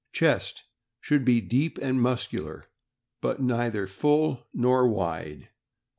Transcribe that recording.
Chest. — Should be deep and muscular, but neither full nor wide.